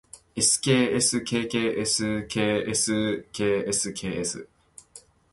skskksksksks